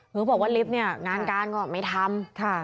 เหมือนเขาบอกว่าลิฟต์นี่งานการก็ไม่ทำ